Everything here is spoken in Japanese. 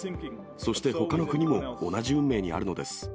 そしてほかの国も同じ運命にあるのです。